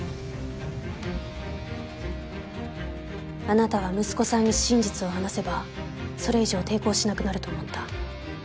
あなたは息子さんに真実を話せばそれ以上抵抗しなくなると思った。